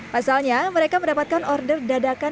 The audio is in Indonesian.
pasalnya mereka mendapatkan order dadakan